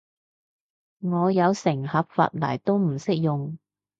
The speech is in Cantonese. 我有成盒髮泥都唔識用